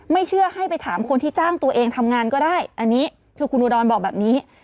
เชื่อให้ไปถามคนที่จ้างตัวเองทำงานก็ได้อันนี้คือคุณอุดรบอกแบบนี้